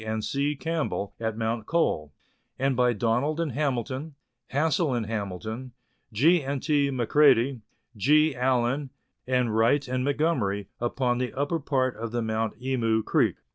and C. Campbell at Mount Cole ; and by Donald and Hamilton, Hassell and Hamilton, G . and T. Macredie, G . Allan, and Wright and Montgomerie, upon the upper part of the Mount Emu Creek.